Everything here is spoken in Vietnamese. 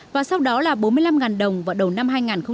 và sau đó là bốn mươi năm đồng vào đầu năm hai nghìn một mươi sáu